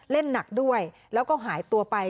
เล่นหนักด้วยแล้วก็หายตัวไป